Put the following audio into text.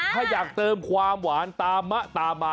ถ้าอยากเติมความหวานตามะตามมา